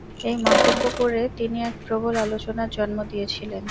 এই মন্তব্য করে তিনি এক প্রবল আলোচনার জন্ম দিয়েছিলেন।